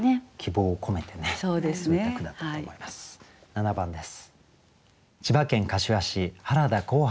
７番です。